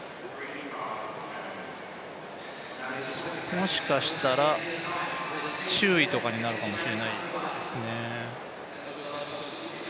もしかしたら、注意とかになるかもしれないですね。